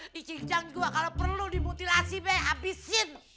dicingjang gue kalo perlu dimutilasi be abisin